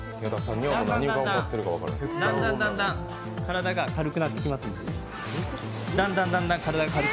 だんだん体が軽くなってきますので。